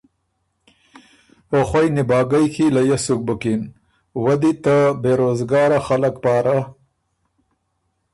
او خوئ نیباګئ کی لیۀ سُک بُکِن، وۀ دی ته بېروزګاره خلق پاره